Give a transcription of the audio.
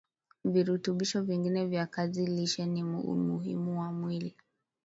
virutubisho vingine vya kiazi lishe ni muhimu kwa mwilini